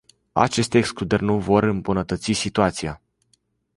Aceste excluderi nu vor îmbunătăți situația.